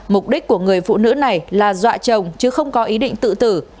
mục đích của người phụ nữ này là dọa chồng chứ không có ý định tự tử